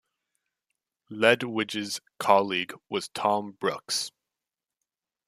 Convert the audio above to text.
Ledwidge's colleague was Tom Brooks.